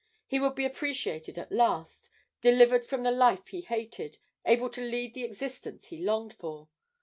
He would be appreciated at last, delivered from the life he hated, able to lead the existence he longed for.